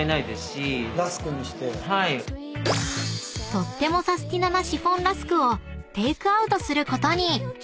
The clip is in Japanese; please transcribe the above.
［とってもサスティな！なシフォンラスクをテークアウトすることに］